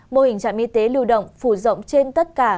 mô hình trạm y tế lưu động phủ rộng trên tất cả